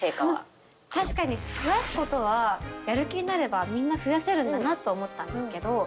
確かに増やすことはやる気になればみんな増やせるんだなと思ったんですけど。